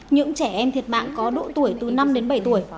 những trẻ em thiệt mạng có độ tuổi từ năm đến bảy tuổi